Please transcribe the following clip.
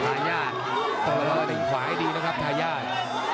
ทายาทโตรรดิขวายดีนะครับทายาท